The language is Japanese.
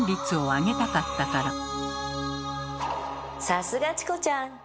さすがチコちゃん！